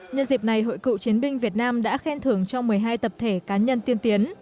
nhân dịp này hội cựu chiến binh việt nam đã khen thưởng cho một mươi hai tập thể cá nhân tiên tiến